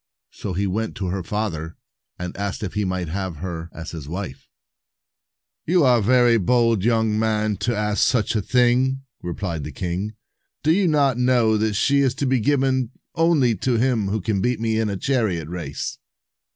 So he went to her father, and asked if he might have her as his wife. "You are a very bold young man to ask such 261 a thing," replied the king. "Do you not know that she is to be given only to him who can beat me in a chariot race?"